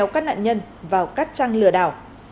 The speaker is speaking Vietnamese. để lôi kéo các nạn nhân vào các trang lừa đảo